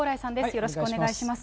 よろしくお願いします。